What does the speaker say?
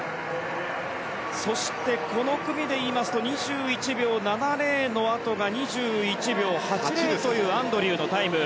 この組でいいますと２１秒７０のあとが２１秒８０というアンドリューのタイム。